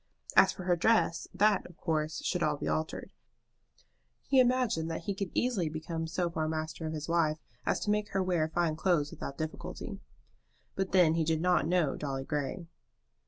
As for her dress, that, of course, should all be altered. He imagined that he could easily become so far master of his wife as to make her wear fine clothes without difficulty. But then he did not know Dolly Grey.